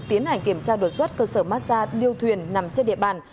tiến hành kiểm tra đột xuất cơ sở massage điêu thuyền nằm trên địa bàn